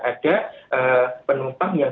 ada penumpang yang